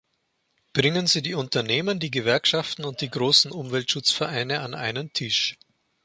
Bringen Sie die Unternehmen, die Gewerkschaften und die großen Umweltschutzvereine an einen Tisch.